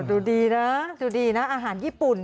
ดูดีนะดูดีนะอาหารญี่ปุ่น